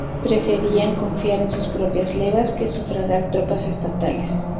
Preferían confiar en sus propias levas que sufragar tropas estatales.